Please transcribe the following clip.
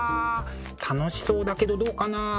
楽しそうだけどどうかなあ？